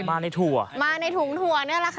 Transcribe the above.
มาในถุงถั่ว